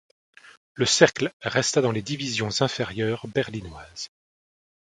Le cercle resta dans les divisions inférieures berlinoises.